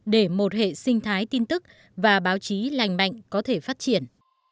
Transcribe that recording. để một hệ sinh thái tin tức và báo chí lành mạnh có thể phát triển